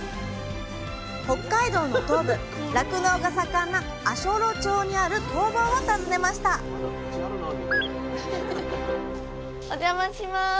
北海道の東部酪農が盛んな足寄町にある工房を訪ねましたおじゃまします。